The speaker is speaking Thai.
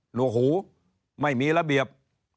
หัวหูไม่มีระเบียบ